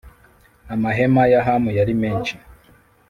amahema ya Hamu yari menshi